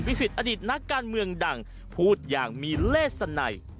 วิสิตอดิษฐ์นักการเมืองดังพูดอย่างมีเลสสั่นนัย